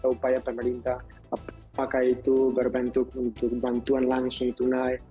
upaya pemerintah apakah itu berbentuk untuk bantuan langsung tunai